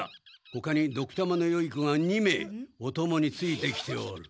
ほかにドクたまのよい子が２名おともについてきておる。